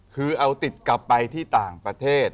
คือเอาติดกลับไปที่ต่างประเทศ